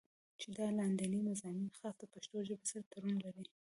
چې دا لانديني مضامين خاص د پښتو ژبې سره تړون لري